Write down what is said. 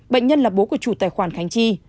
bệnh nhân là bố của chủ tài khoản khánh chi